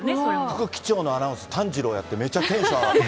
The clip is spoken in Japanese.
副機長のアナウンス、炭治郎やって、めっちゃテンション上がった。